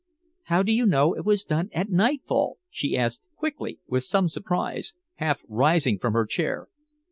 "How do you know it was done at nightfall?" she asked quickly with some surprise, half rising from her chair.